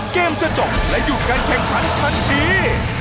เกมจะจบและหยุดการแข่งขันทันที